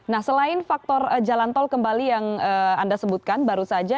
nah selain faktor jalan tol kembali yang anda sebutkan baru saja